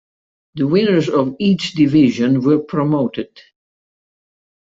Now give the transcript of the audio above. The winners of each division were promoted.